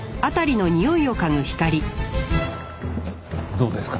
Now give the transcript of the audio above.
どうですか？